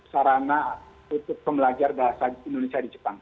sarana untuk pembelajar bahasa indonesia di jepang